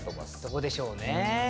そこでしょうね。